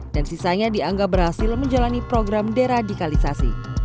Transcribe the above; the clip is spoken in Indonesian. dan sisanya dianggap berhasil menjalani program deradikalisasi